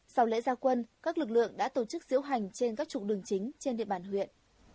sau lễ gia quân các lực lượng đã tổ chức diễu hành trên các trục đường chính trên địa bàn huyện